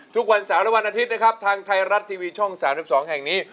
ทุกวันเสาร์และวันอาทิตย์นะครับทางไทยรัฐทีวีช่อง๓๒แห่งนี้